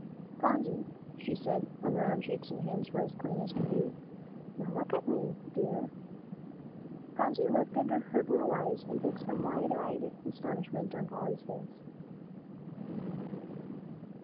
"Phronsie," she said, when the round cheeks and hands were as clean as clean could be, "now look at me, dear." Phronsie lifted her blue eyes and fixed them in wide eyed astonishment on Polly's face.